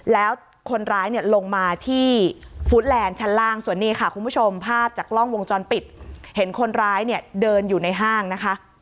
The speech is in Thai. แล้วคนร้ายเนี่ยลงมาที่ฟู้ดแลนด์ชั้นล่างส่วนนี้ค่ะคุณผู้ชมภาพจากกล้องวงจรปิดเห็นคนร้ายเนี่ยเดินอยู่ในห้างนะคะ